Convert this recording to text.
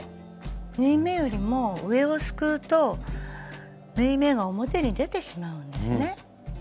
縫い目よりも上をすくうと縫い目が表に出てしまうんですね。